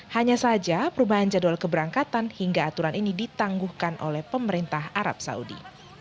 hanya saja perubahan jadwal keberangkatan hingga aturan ini ditangguhkan oleh pemerintah arab saudi